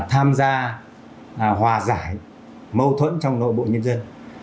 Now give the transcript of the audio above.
tham gia hòa giải mâu thuẫn trong nội bộ nhân dân